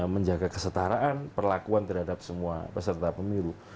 menjaga kesetaraan perlakuan terhadap semua peserta pemilu